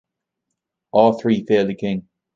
All three failed the king.